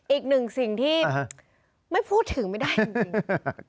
อีกหนึ่งสิ่งที่ไม่พูดถึงไม่ได้จริง